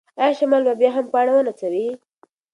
ایا شمال به بیا هم پاڼه ونڅوي؟